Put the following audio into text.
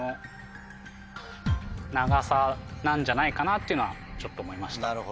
なんじゃないかなっていうのはちょっと思いました。